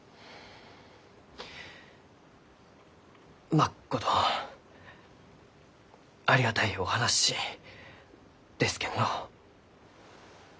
まっことありがたいお話ですけんど。